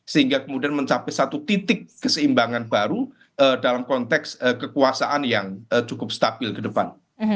sehingga kemudian mencapai satu titik keseimbangan baru dalam konteks kekuasaan yang cukup stabil ke depan